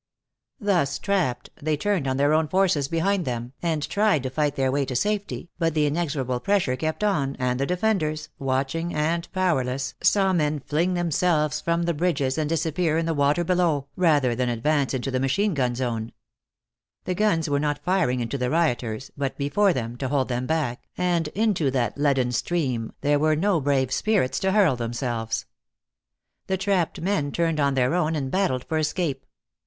Thus trapped, they turned on their own forces behind them, and tried to fight their way to safety, but the inexorable pressure kept on, and the defenders, watching and powerless, saw men fling themselves from the bridges and disappear in the water below, rather than advance into the machine gun zone. The guns were not firing into the rioters, but before them, to hold them back, and into that leaden stream there were no brave spirits to hurl themselves. The trapped men turned on their own and battled for escape.